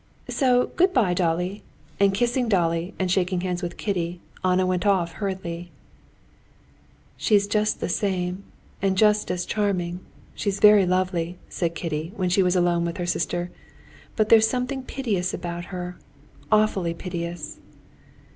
"So good bye, Dolly." And kissing Dolly and shaking hands with Kitty, Anna went out hurriedly. "She's just the same and just as charming! She's very lovely!" said Kitty, when she was alone with her sister. "But there's something piteous about her. Awfully piteous!"